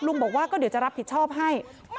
บอกว่าก็เดี๋ยวจะรับผิดชอบให้